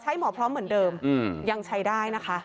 หมอพร้อมเหมือนเดิมยังใช้ได้นะคะ